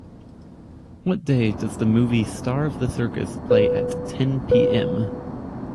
what day does the movie Star of the Circus play at ten PM